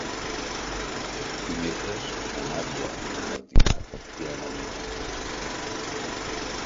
Dimecres na Nàdia i na Martina iran al metge.